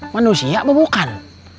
manusia apa bukan